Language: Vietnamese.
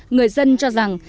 người dân cho rằng